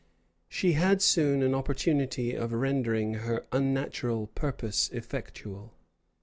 She had soon an opportunity of rendering her unnatural purpose effectual.